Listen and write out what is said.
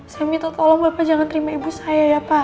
saya minta tolong bapak jangan terima ibu saya ya pak